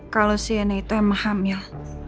kalau si yena itu emang hamil